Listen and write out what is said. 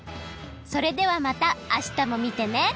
それではまた明日も見てね！